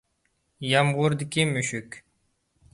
يامغۇردىكى مۈشۈك